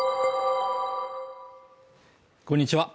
こんにちは。